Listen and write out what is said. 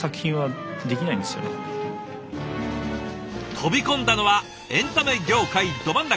飛び込んだのはエンタメ業界ど真ん中。